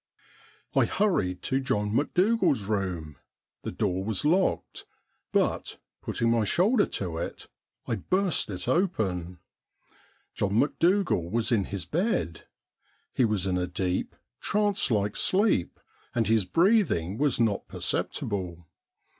I hurried to John Macdougal's room. The door was locked, but, putting my shoulder to it, I burst it open. John Macdougal was in his bed. He was in a deep, trance like sleep, and his breathing was not perceptible.